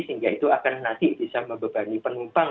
sehingga itu akan nanti bisa membebani penumpang